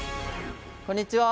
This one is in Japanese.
こんにちは。